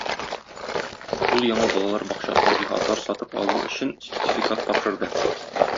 Ул яңа балалар бакчасына җиһазлар сатып алу өчен сертификат тапшырды.